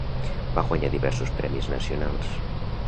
Va guanyar diversos premis nacionals.